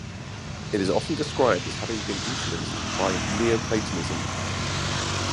It is often described as having been influenced by Neoplatonism.